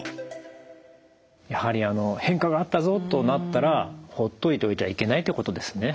やはり変化があったぞとなったらほっといておいてはいけないってことですね。